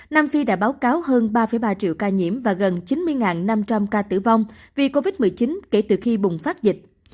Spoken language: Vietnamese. nam phi đã báo cáo hơn ba ba triệu ca nhiễm và gần chín mươi năm trăm linh ca tử vong vì covid một mươi chín kể từ khi bùng phát dịch